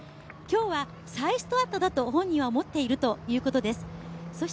今日は再スタートだと本人は思っているということです。